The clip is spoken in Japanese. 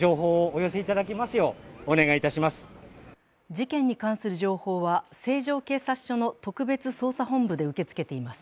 事件に関する情報は成城警察署の特別捜査本部で受け付けています。